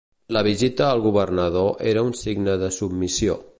La visita el governador era un signe de submissió.